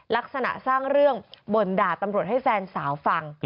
ลักษณะสร้างเรื่องบ่นด่าตำรวจให้แฟนสาวฟัง